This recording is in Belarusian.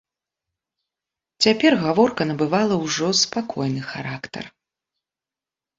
Цяпер гаворка набывала ўжо спакойны характар.